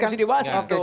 yang harus dibahas waktu